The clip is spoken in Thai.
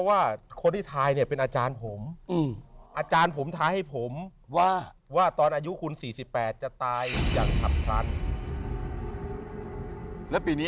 อันนั้นเค้าจะผิด